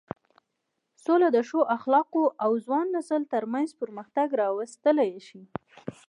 سوله د ښو اخلاقو او ځوان نسل تر منځ پرمختګ راوستلی شي.